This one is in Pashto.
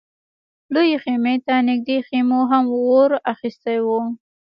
لويې خيمې ته نږدې خيمو هم اور اخيستی و.